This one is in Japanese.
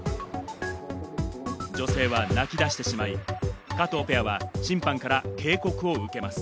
女性は泣き出してしまい、加藤ペアは審判から警告を受けます。